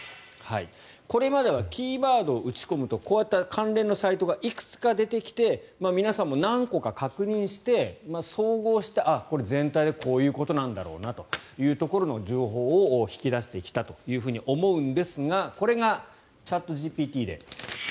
これまではキーワードを打ち込むとこうやって関連のサイトがいくつか出てきて皆さんも何個か確認して総合して、これは全体でこういうことなんだろうなというところの情報を引き出してきたと思うんですがこれがチャットＧＰＴで。